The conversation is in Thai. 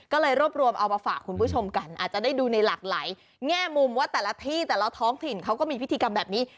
ก็เลยรวบรวมเอามาฝากคุณผู้ชมกันอาจจะได้ดูในหลากหลายแง่มุมว่าแต่ละที่แต่ละท้องถิ่นเขาก็มีพิธีกรรมแบบนี้